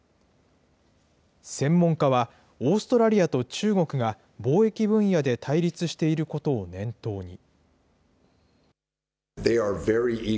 専門家は、オーストラリアと中国が貿易分野で対立していることを念頭に。